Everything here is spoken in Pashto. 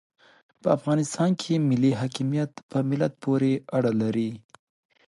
په افغانستان کې ملي حاکمیت په ملت پوري اړه لري.